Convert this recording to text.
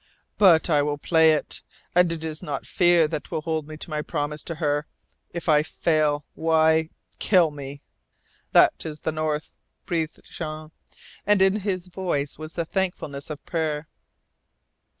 "But I will play it, and it is not fear that will hold me to my promise to her. If I fail, why kill me!" "That is the North," breathed Jean, and in his voice was the thankfulness of prayer.